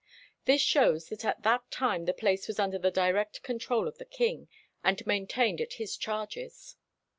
This shows that at that time the place was under the direct control of the king, and maintained at his charges.